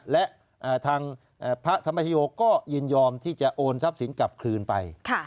และทางพระธรรมชโยก็ยินยอมที่จะโอนทรัพย์สินกลับคืนไป